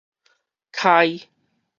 開